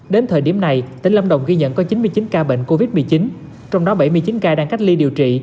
đến thời điểm này tỉnh lâm đồng ghi nhận có chín mươi chín ca bệnh covid một mươi chín trong đó bảy mươi chín ca đang cách ly điều trị